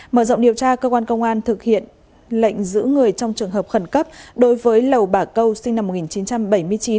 mở rộng điều tra cơ quan công an thực hiện lệnh giữ người trong trường hợp khẩn cấp đối với lầu bà câu sinh năm một nghìn chín trăm bảy mươi chín